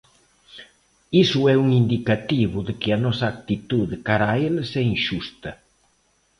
Iso é un indicativo de que a nosa actitude cara a eles é inxusta.